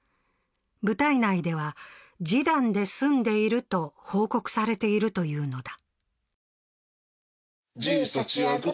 部隊内では示談で済んでいると報告されているというのだ。